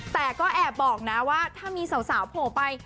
แต่ก็แอบบอกนะว่าถ้ามีสาวโผล่ไป